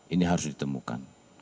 ini harus ditemukan